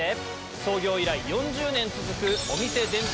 創業以来４０年続く。